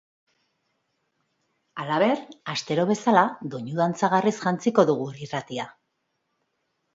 Halaber, astero bezala, doinu dantzagarriz jantziko dugu irratia.